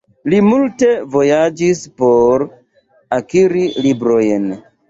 Li multe vojaĝis por akiri librojn.